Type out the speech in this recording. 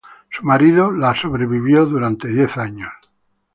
Su marido la sobrevivió por diez años.